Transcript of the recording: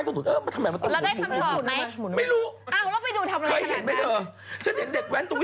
ต้องทำไปอะไรอย่างเงี้ยอะไรที่ลองดู